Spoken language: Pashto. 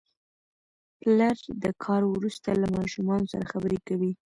پلر د کار وروسته له ماشومانو سره خبرې کوي